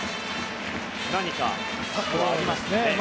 何か策はありますかね。